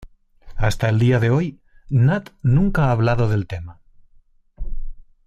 Hasta el día de hoy, Nat nunca ha hablado del tema.